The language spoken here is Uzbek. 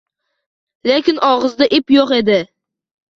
Lekin og`zida ip yo`q edi